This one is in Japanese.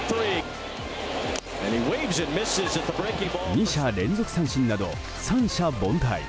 ２者連続三振など三者凡退。